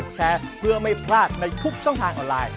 ช่องทางออนไลน์